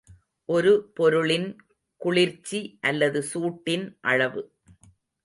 ஒரு பொருளின் குளிர்ச்சி அல்லது சூட்டின் அளவு.